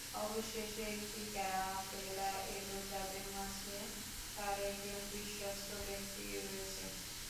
অবশেষে একটি কাফেলা এল যাদের মাঝে তার একজন বিশ্বস্ত ব্যক্তি রয়েছে।